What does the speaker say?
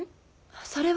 それは。